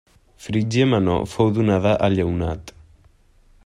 Frígia Menor fou donada a Lleonat.